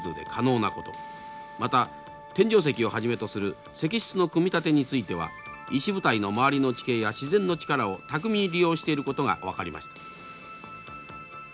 また天井石をはじめとする石室の組み立てについては石舞台の周りの地形や自然の力を巧みに利用していることが分かりました。